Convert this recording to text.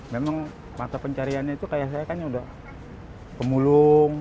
memang mata pencariannya itu kayak saya kan udah pemulung